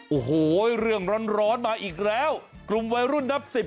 โอ้โหเรื่องร้อนร้อนมาอีกแล้วกลุ่มวัยรุ่นนับสิบ